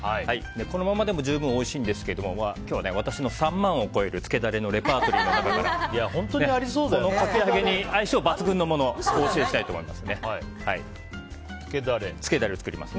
このままでも十分おいしいんですが今日は私の３万を超えるつけダレのレパートリーの中からこのかき揚げに相性抜群のものをお教えしたいと思います。